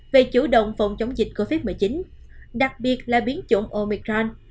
về chủ động phòng chống dịch covid một mươi chín đặc biệt là biến chủng omicrand